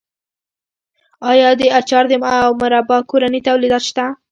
آیا د اچار او مربا کورني تولیدات شته؟